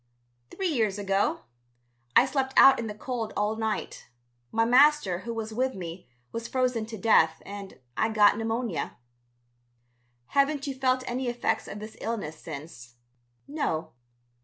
"Three years ago. I slept out in the cold all night. My master, who was with me, was frozen to death, and I got pneumonia." "Haven't you felt any effects of this illness since?" "No."